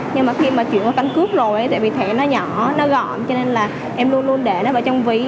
nhưng mà khi mà chuyển qua căn cước rồi tại vì thẻ nó nhỏ nó gọn cho nên là em luôn luôn để nó ở trong ví